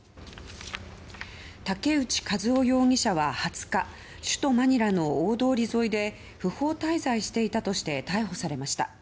タケウチ・カズオ容疑者は２０日首都マニラの大通り沿いで不法滞在していたとして逮捕されました。